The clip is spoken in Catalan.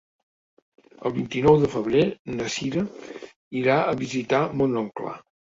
El vint-i-nou de febrer na Cira irà a visitar mon oncle.